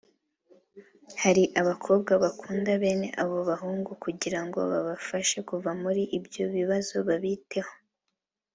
Hari abakobwa bakunda bene abo bahungu kugira ngo babafashe kuva muri ibyo bibazo babiteho